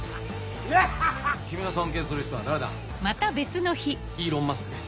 君の尊敬する人は誰だ？イーロン・マスクです。